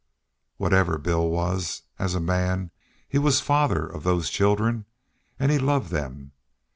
Whatever Bill was, as a man, he was father of those children, and he loved them.